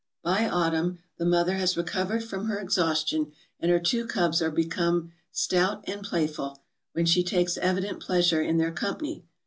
" By autumn the mother has recovered from her exhaustion, and her two cubs are become stout and playful, when she takes evident pleasure in their company.